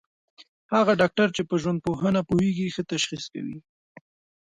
هغه ډاکټر چي په ژوندپوهنه پوهېږي، ښه تشخیص کوي.